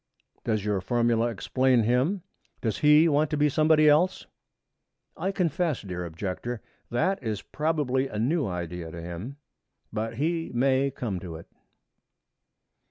Does your formula explain him? Does he want to be somebody else?' 'I confess, dear Objector, that it is probably a new idea to him; but he may come to it.'